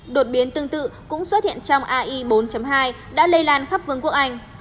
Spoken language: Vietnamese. đột biến tương tự cũng xuất hiện trong ai bốn hai đã lây lan khắp vương quốc anh